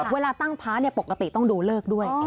เวลาตั้งพระปกติต้องดูเลิกด้วย